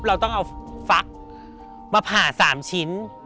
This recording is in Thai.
เราต้องเอาฟักมาผ่า๓ชิ้น